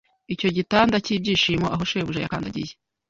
Icyo gitanda cyibyishimo aho shebuja yakandagiye